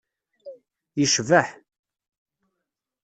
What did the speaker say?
Yecbeḥ.